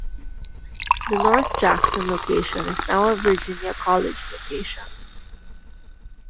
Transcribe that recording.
The North Jackson location is now a Virginia College location.